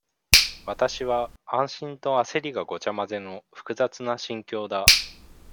わたしは、安心とあせりがごちゃまぜの、複雑な心境だ。